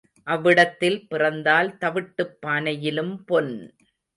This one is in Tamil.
அவிட்டத்தில் பிறந்தால் தவிட்டுப் பானையிலும் பொன்.